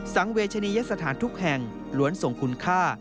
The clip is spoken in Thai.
สังเวชนียสถานทุกแห่งล้วนส่งคุณค่า